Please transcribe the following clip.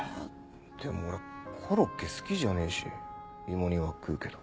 でも俺コロッケ好きじゃねえし芋煮は食うけど。